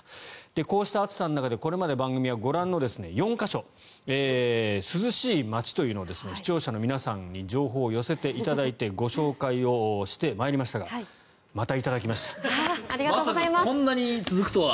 こうした暑さの中でこれまで番組はご覧の４か所涼しい街というのを視聴者の皆さんに情報を寄せていただいてご紹介してまいりましたがまさかこんなに続くとは。